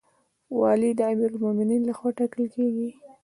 والی د امیرالمؤمنین لخوا ټاکل کیږي